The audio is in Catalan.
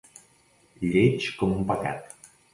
Lleig com un pecat.